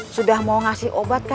sudah mau memberikan obat